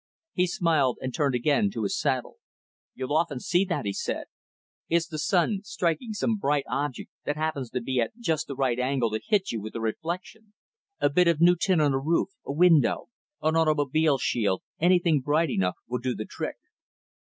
He smiled and turned again to his saddle. "You'll often see that," he said. "It's the sun striking some bright object that happens to be at just the right angle to hit you with the reflection. A bit of new tin on a roof, a window, an automobile shield, anything bright enough, will do the trick.